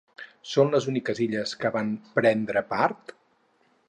Són les úniques illes que van prendre part?